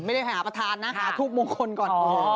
ไม่ได้หาประธานนะหาทูปมงคลก่อน